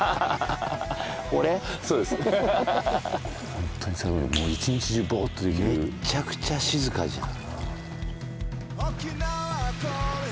ホントに１日中ボーッとできるめっちゃくちゃ静かじゃん